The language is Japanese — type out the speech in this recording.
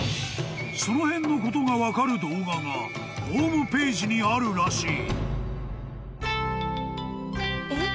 ［その辺のことが分かる動画がホームページにあるらしい］